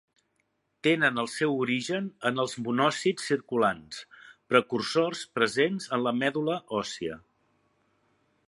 Tenen el seu origen en els monòcits circulants, precursors presents en la medul·la òssia.